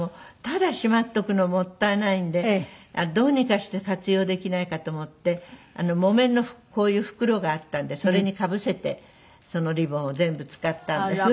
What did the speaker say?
ただしまっておくのもったいないんでどうにかして活用できないかと思って木綿のこういう袋があったんでそれに被せてそのリボンを全部使ったんです。